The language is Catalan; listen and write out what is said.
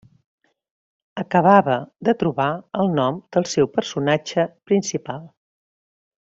Acabava de trobar el nom del seu personatge principal.